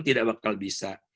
tidak bakal bisa